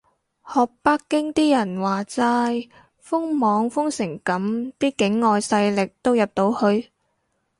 學北京啲人話齋，封網封成噉啲境外勢力都入到去？